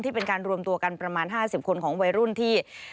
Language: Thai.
เป็นการรวมตัวกันประมาณ๕๐คนของวัยรุ่นที่